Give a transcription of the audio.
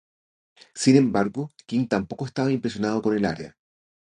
Sin embargo, King tampoco estaba impresionado con el área.